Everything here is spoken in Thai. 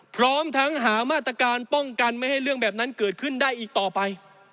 พร้อมทั้งหามาตรการป้องกันไม่ให้เรื่องแบบนั้นเกิดขึ้นได้อีกต่อไป